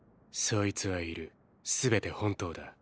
そいつはいるすべて本当だ。